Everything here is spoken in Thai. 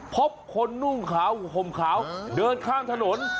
พบคนนุ่งขาวห่มขาวเดินข้ามถนน